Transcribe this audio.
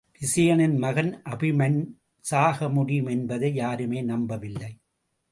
விசயனின் மகன் அபிமன் சாக முடியும் என்பதை யாருமே நம்பவில்லை.